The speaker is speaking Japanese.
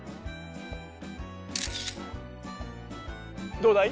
どうだい？